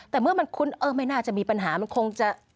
แต่เมื่อมันคุ้นเออไม่น่าจะมีปัญหามันคงจะ